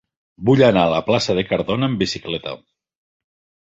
Vull anar a la plaça de Cardona amb bicicleta.